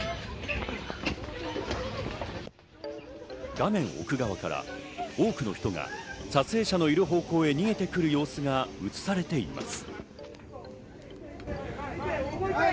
画面奥側から多くの人が撮影者のいる方向へ逃げてくる様子が映されています。